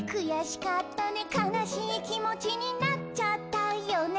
「かなしいきもちになっちゃったよね」